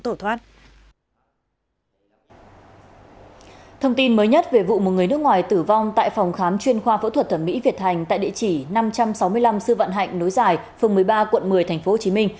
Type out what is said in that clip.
thông tin mới nhất về vụ một người nước ngoài tử vong tại phòng khám chuyên khoa phẫu thuật thẩm mỹ việt thành tại địa chỉ năm trăm sáu mươi năm sư vạn hạnh nối giải phường một mươi ba quận một mươi tp hcm